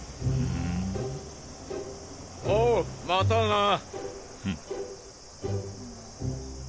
おうまたなぁ。